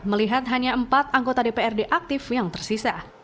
melihat hanya empat anggota dprd aktif yang tersisa